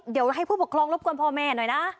เดี๋ยวให้ผู้ปกครองรบกวนพ่อแม่หน่อยนะ